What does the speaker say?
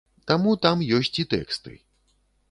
Таму там ёсць і тэксты.